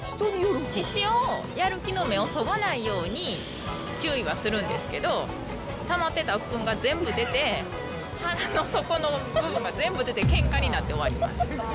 一応、やる気の芽をそがないように注意はするんですけど、たまってたうっぷんが全部出て、わりとそこの部分が全部出てけんかになって終わります。